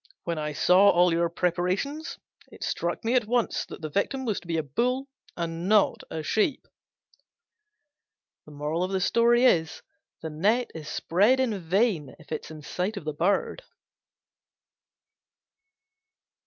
When I saw all your preparations it struck me at once that the victim was to be a Bull and not a sheep." The net is spread in vain in sight of the bird.